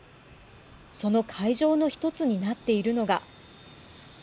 その会場の１つになっているのが。